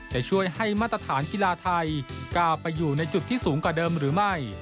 จะช่วยให้มาตรฐานกีฬาไทยก้าวไปอยู่ในจุดที่สูงกว่าเดิมหรือไม่